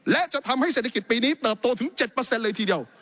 และจะทำให้เศรษฐกิจปีนี้เติบโตถึง๗เลยทีเดียว